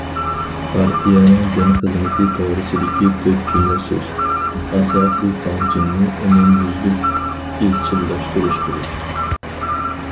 پارتىيەنىڭ دىن خىزمىتى توغرىسىدىكى‹‹ تۆت جۈملە سۆز›› ئاساسىي فاڭجېنىنى ئومۇميۈزلۈك ئىزچىللاشتۇرۇش كېرەك.